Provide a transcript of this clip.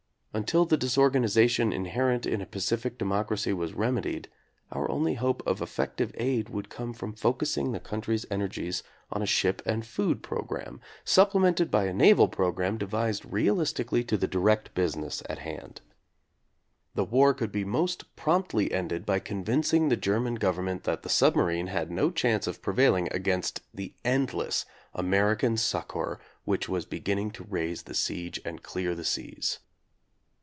Until the disorganization inherent in a pacific de mocracy was remedied, our only hope of effective aid would come from focusing the country's energies on a ship and food programme, supple mented by a naval programme devised realistically to the direct business at hand. The war could be most promptly ended by convincing the German government that the submarine had no chance of prevailing against the endless American succor which was beginning to raise the siege and clear the seas.